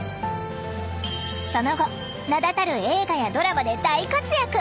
その後名だたる映画やドラマで大活躍！